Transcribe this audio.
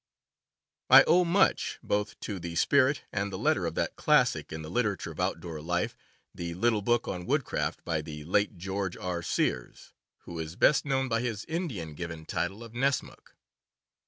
I owe much, both to the spirit and the letter of that classic in the literature of outdoor life, the little book on Woodcraft by the late George R. Sears, who is best known by his Indian given title of Nessmuk.